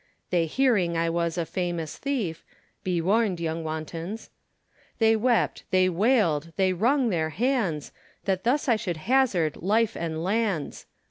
They hearing I was a famous theefe, Be warned yong wantons. They wept, they wailde, they wrong their hands, That thus I should hazard life and lands.